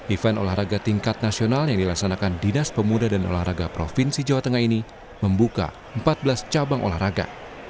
event olahraga tingkat nasional yang dilaksanakan dinas pemuda dan olahraga provinsi jawa tengah ini membuka empat belas cabang olahraga